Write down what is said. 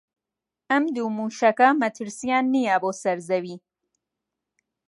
ئەم دوو مووشەکە مەترسییان نییە بۆ سەر زەوی